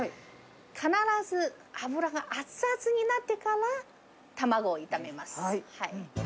必ず油が熱々になってから、卵を炒めます。